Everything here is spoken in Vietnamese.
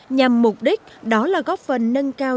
nhằm mục đích đó là góp phần nâng cao